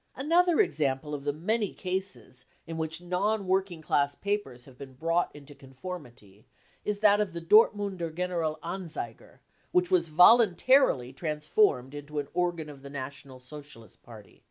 Another example of the many cases in which non work ing class papers have been " brought into conformity 93 is that of the Dortmunder General Anzeiger, which was ec vol untarily 39 transformed into an organ of the National Socialist Party.